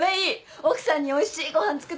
奥さんにおいしいご飯作ってもらおうよ。